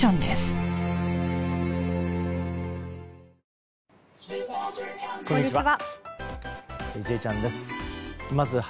こんにちは。